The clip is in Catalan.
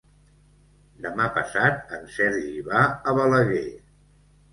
Demà passat en Sergi va a Balaguer.